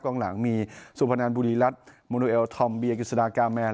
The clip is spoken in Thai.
องหลังมีสุพนันบุรีรัฐมนูเอลทอมเบียกิจสดากาแมน